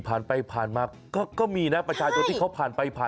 ผ่านไปมากก็มีน่ะประชาชนที่เขาผ่านไปมา